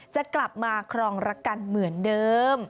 จะกลับมาครองรักกันเหมือนเดิม